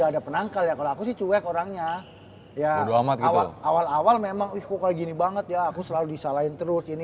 ya ya udah amat awal awal memang ih kok kayak gini banget ya aku selalu disalahin terus ini